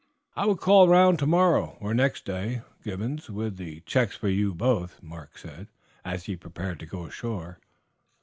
"I will call round tomorrow or next day, Gibbons, with the checks for you both," Mark said as he prepared to go ashore.